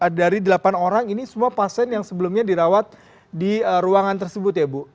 dari delapan orang ini semua pasien yang sebelumnya dirawat di ruangan tersebut ya bu